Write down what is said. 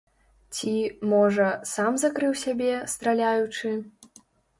Ці, можа, сам закрыў сябе, страляючы.